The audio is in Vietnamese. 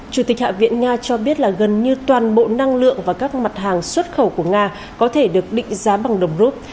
chủ tịch hạ viện nga cho biết là gần như toàn bộ năng lượng và các mặt hàng xuất khẩu của nga có thể được định giá bằng đồng rút